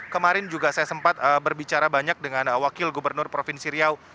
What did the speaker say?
kemarin juga saya sempat berbicara banyak dengan wakil gubernur provinsi riau